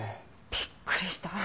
びっくりした。